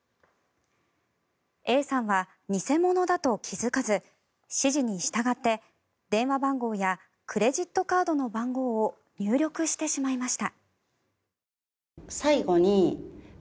Ａさんは偽物だと気付かず指示に従って電話番号やクレジットカードの番号を入力してしまいました。